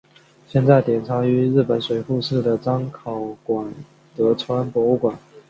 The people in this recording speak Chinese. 现在典藏于日本水户市的彰考馆德川博物馆。